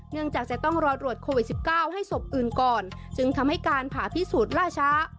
จากจะต้องรอตรวจโควิด๑๙ให้ศพอื่นก่อนจึงทำให้การผ่าพิสูจน์ล่าช้า